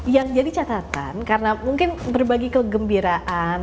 yang jadi catatan karena mungkin berbagi kegembiraan